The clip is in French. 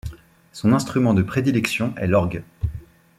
Son instrument de prédilection est l'orgue.